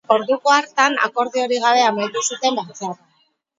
Orduko hartan, akordiorik gabe amaitu zuten batzarra.